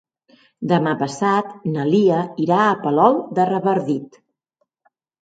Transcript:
Demà passat na Lia irà a Palol de Revardit.